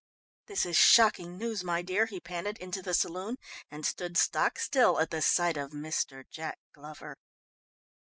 "This is shocking news, my dear," he panted into the saloon and stood stock still at the sight of Mr. Jack Glover.